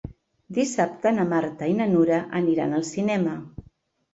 Dissabte na Marta i na Nura aniran al cinema.